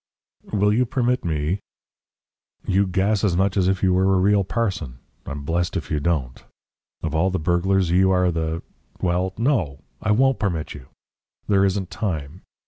"Will you permit me " "You gas as much as if you were a real parson, I'm blessed if you don't. Of all the burglars you are the Well! No! I WON'T permit you. There isn't time.